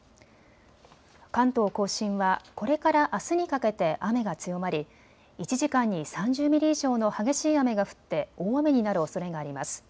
関東甲信はこれからあすにかけて雨が強まり１時間に３０ミリ以上の激しい雨が降って大雨になるおそれがあります。